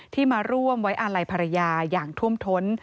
มาร่วมไว้อาลัยภรรยาอย่างท่วมท้น